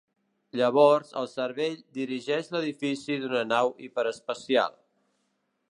Llavors, "El Cervell" dirigeix l'edifici d'una nau hiperespacial.